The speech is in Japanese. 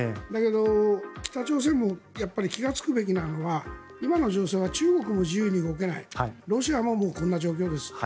だけど、北朝鮮も気がつくべきなのは今の情勢は中国も自由に動けないロシアもこんな状況です。